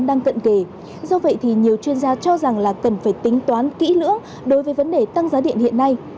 do vậy thì nhiều chuyên gia cho rằng là cần phải tính toán kỹ lưỡng đối với vấn đề tăng giá điện hiện nay